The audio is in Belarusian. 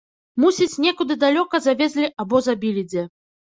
Мусіць, некуды далёка завезлі або забілі дзе.